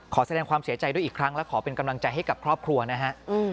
ขอแสดงความเสียใจด้วยอีกครั้งและขอเป็นกำลังใจให้กับครอบครัวนะฮะ